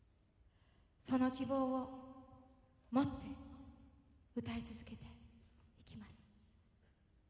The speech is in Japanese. その希望を持って歌い続けていきます。